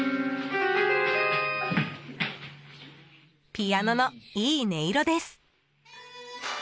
ピアノのいい音色です！